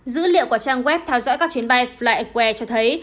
dữ liệu của trang web theo dõi các chuyến bay flywe cho thấy